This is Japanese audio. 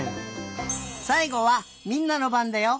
さいごはみんなのばんだよ。